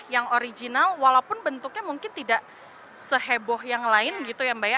yang original walaupun bentuknya mungkin tidak seheboh yang lain gitu ya mbak ya